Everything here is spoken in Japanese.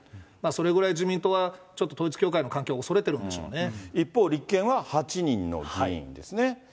それぐらい、自民党はちょっと統一教会との関係を恐れているんで一方、立憲は８人の議員ですね。